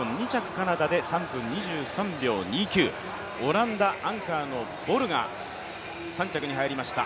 カナダで３分２３秒２９、オランダ、アンカーのボルが３着に入りました。